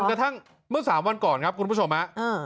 กระทั่งเมื่อ๓วันก่อนครับคุณผู้ชมฮะ